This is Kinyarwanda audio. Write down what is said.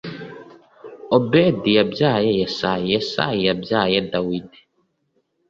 Obedi yabyaye Yesayi Yesayi yabyaye Dawidi